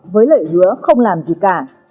với lợi hứa không làm gì cả